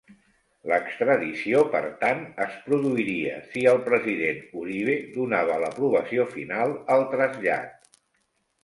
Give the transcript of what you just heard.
L'extradició, per tant, es produiria, si el president Uribe donava l'aprovació final al trasllat.